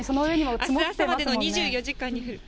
あす朝までの２４時間に降る。